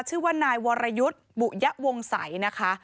ชื่อว่านายวรยุทธ์บุยะวงศัยนะคะ